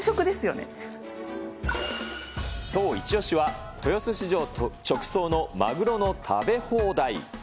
そう、一押しは、豊洲市場直送のマグロの食べ放題。